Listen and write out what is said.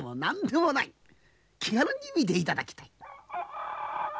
気軽に見て頂きたい。